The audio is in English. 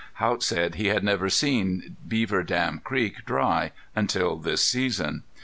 Haught said he had never seen Beaver Dam Creek dry until this season.